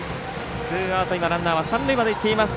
ツーアウト、ランナーは三塁までいっています。